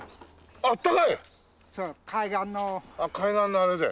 ああ海岸のあれで。